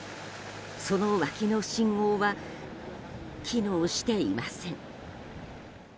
その脇の信号は機能していません。